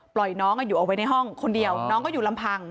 น้องอยู่เอาไว้ในห้องคนเดียวน้องก็อยู่ลำพัง